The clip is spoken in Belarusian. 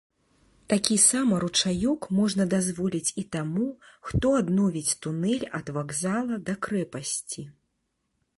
Такі сама ручаёк можна дазволіць і таму, хто адновіць тунэль ад вакзала да крэпасці.